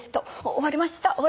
終わりました！」